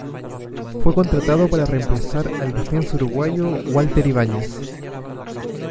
Fue contratado para reemplazar al defensa uruguayo Walter Ibáñez.